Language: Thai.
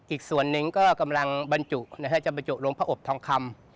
อีกส่วนหนึ่งก็กำลังบรรจุนะฮะจะบรรจุลงพระอบทองคำ